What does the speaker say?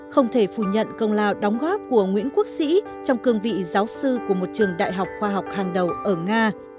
không thể phủ nhận công lao đóng góp của nguyễn quốc sĩ trong cương vị giáo sư của một trường đại học khoa học hàng đầu ở nga